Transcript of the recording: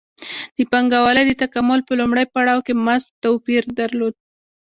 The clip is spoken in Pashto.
د پانګوالۍ د تکامل په لومړي پړاو کې مزد توپیر درلود